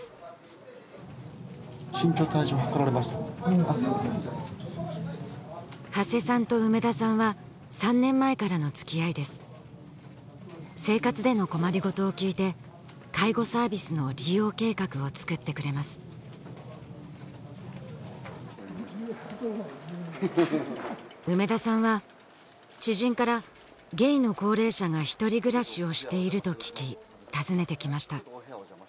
うん長谷さんと梅田さんは３年前からの付き合いです生活での困り事を聞いて介護サービスの利用計画を作ってくれます梅田さんは知人からゲイの高齢者がひとり暮らしをしていると聞き訪ねてきました